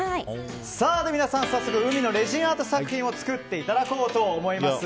では皆さん海のレジンアート作品を作っていただこうと思います。